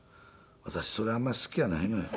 「私それあんまり好きやないのよ」。